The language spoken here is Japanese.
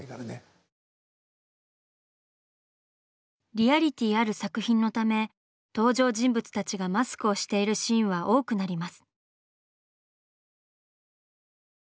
リアリティーある作品のため登場人物たちがマスクをしているシーンは多くなります。